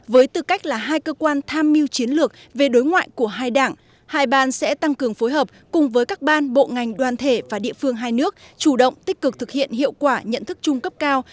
với tư cách là hai cơ quan tham mưu chiến lược về đối ngoại của hai đảng hai ban sẽ tăng cường phối hợp cùng với các ban bộ ngành đoàn thể và địa phương hai nước chủ động tích cực thực hiện hiệu quả nhận thức chung cấp cao